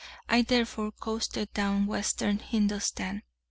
I therefore coasted down western Hindustan.